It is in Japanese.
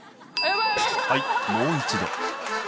はいもう一度。